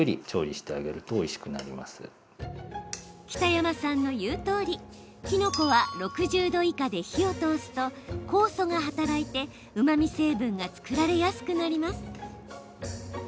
北山さんの言うとおりきのこは６０度以下で火を通すと酵素が働いて、うまみ成分が作られやすくなります。